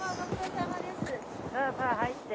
さあさあ入って。